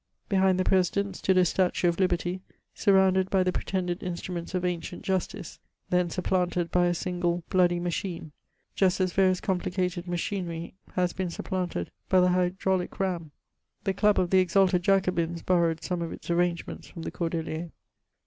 Behind the president stood a statue of Liberty, surrounded by the pretended instru ments of ancient justice, then supplanted by a suigle bloody • It was burnt down in 1680. 320 MEHOIBS OV machine, just as various complicated maehineiy has been supplanted by the hydraulic ram. The dub of the exalted Jacobins borrowed some of its arrangements &om the Cor deliers.